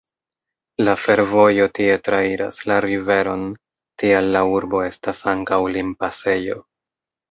La fervojo tie trairas la riveron, tial la urbo estas ankaŭ limpasejo.